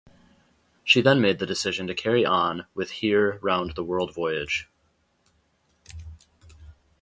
She then made the decision to carry on with here round the world voyage.